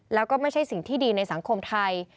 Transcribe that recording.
แล้วก็ไม่ใช่สิ่งที่ดีในสังคมไทย